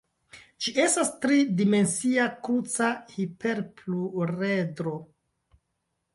Ĝi estas tri-dimensia kruca hiperpluredro.